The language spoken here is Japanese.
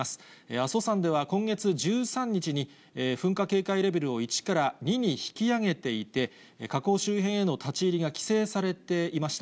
阿蘇山では今月１３日に、噴火警戒レベルを１から２に引き上げていて、火口周辺への立ち入りが規制されていました。